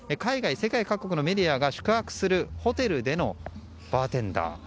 世界各国のメディアが宿泊するホテルでのバーテンダー。